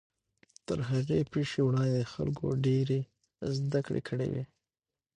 تر هغې پیښې وړاندې خلکو ډېرې زدهکړې کړې وې.